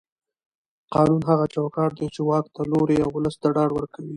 قانون هغه چوکاټ دی چې واک ته لوری او ولس ته ډاډ ورکوي